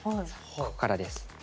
ここからです。